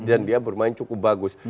dan dia bermain cukup bagus